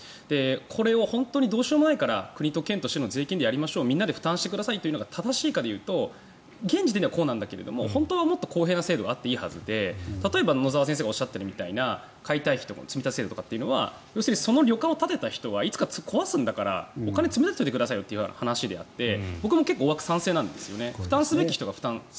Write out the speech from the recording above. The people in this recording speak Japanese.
これを本当にどうしようもないから国と県と市の税金でやりましょうみんなで負担しましょうというのが正しいかでいうと現時点ではこうだけど本当はもっと公正な制度があっていいはずで野澤先生が言うように解体費の積立制度というのは要するにその旅館を建てた人はいつか壊すんだから、お金を積み立ててくださいという話で僕も賛成なんですよね。